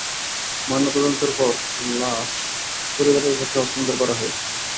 ময়নাতদন্তের পর লাশ পরিবারের কাছে হস্তান্তর করা হয়েছে।